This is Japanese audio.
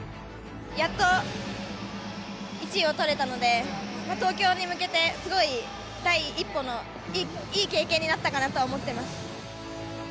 やっと１位を取れたので、東京に向けて、すごい第一歩の、いい経験になったかなとは思ってます。